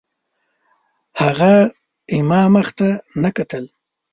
هغه زما مخ ته نه کتل